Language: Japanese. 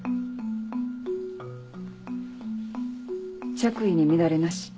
着衣に乱れなし。